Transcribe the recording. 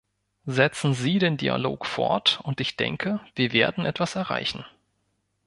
Setzen Sie den Dialog fort und ich denke, wir werden etwas erreichen.